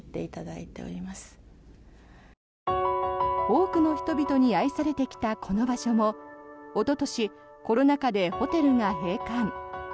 多くの人々に愛されてきたこの場所もおととしコロナ禍でホテルが閉館。